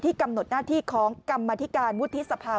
กำหนดหน้าที่ของกรรมธิการวุฒิสภา